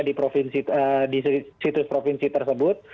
di situs provinsi tersebut